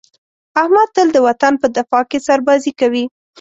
احمد تل د وطن په دفاع کې سربازي کوي.